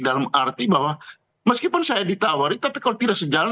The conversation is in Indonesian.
dalam arti bahwa meskipun saya ditawari tapi kalau tidak sejalan